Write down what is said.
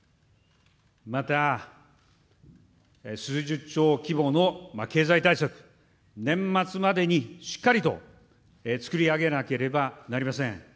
また、数十兆規模の経済対策、年末までにしっかりと作り上げなければなりません。